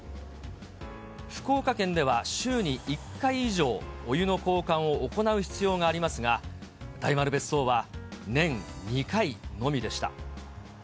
福岡県では週に１回以上お湯の交換を行う必要がありますが、大丸別荘は年２回のみでした。